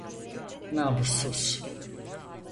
Namussuz!